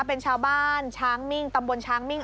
เป็นชาวบ้านช้างมิ่งตำบลช้างมิ่ง